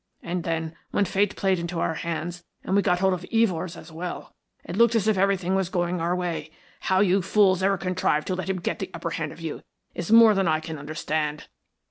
And then, when Fate played into our hands and we got hold of Evors as well, it looked as if everything was going our way. How you fools ever contrived to let him get the upper hand of you is more than I can understand."